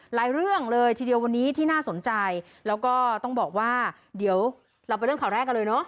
เรื่องเลยทีเดียววันนี้ที่น่าสนใจแล้วก็ต้องบอกว่าเดี๋ยวเราไปเรื่องข่าวแรกกันเลยเนอะ